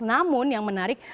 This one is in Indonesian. namun yang menarik